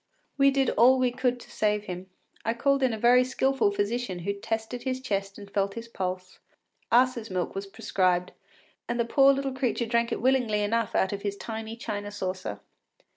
We did all we could to save him; I called in a very skilful physician who tested his chest and felt his pulse. Ass’s milk was prescribed, and the poor little creature drank it willingly enough out of his tiny china saucer.